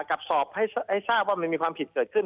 กับสอบให้ทราบว่ามันมีความผิดเกิดขึ้น